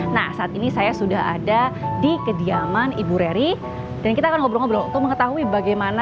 nah saat ini saya sudah ada di kediaman ibu rery dan kita akan ngobrol ngobrol untuk mengetahui bagaimana